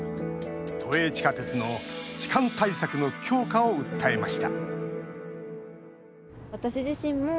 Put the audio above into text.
都営地下鉄の痴漢対策の強化を訴えました